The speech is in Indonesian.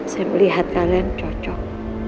saya melihat kalian cocok